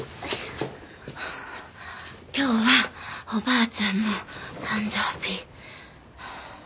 今日はおばあちゃんの誕生日。